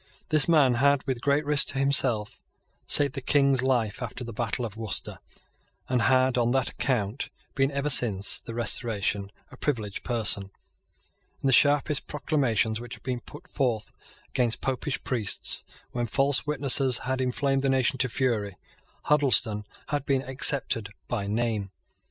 This man had, with great risk to himself, saved the King's life after the battle of Worcester, and had, on that account, been, ever since the Restoration, a privileged person. In the sharpest proclamations which had been put forth against Popish priests, when false witnesses had inflamed the nation to fury, Huddleston had been excepted by name.